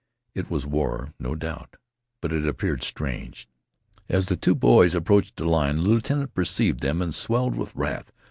It was war, no doubt, but it appeared strange. As the two boys approached the line, the lieutenant perceived them and swelled with wrath.